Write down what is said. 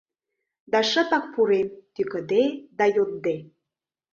Да шыпак пурем, тÿкыде да йодде.